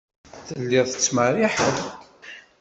Telliḍ tettmerriḥeḍ.